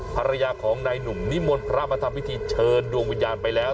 ภรรยาของนายหนุ่มนิมนต์พระมาทำพิธีเชิญดวงวิญญาณไปแล้ว